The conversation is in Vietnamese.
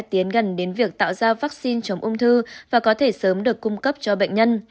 tiến gần đến việc tạo ra vaccine chống ung thư và có thể sớm được cung cấp cho bệnh nhân